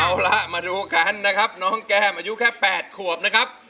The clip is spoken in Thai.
เอาล่ะมาดูกันนะครับน้องแก้มอายุแค่๘ขวบนะครับ